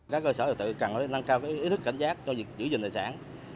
các cơ sở thờ tự cần nâng cao ý thức cảnh giác cho giữ gìn tài sản